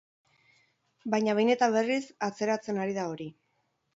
Baina behin eta berriz atzeratzen ari da hori.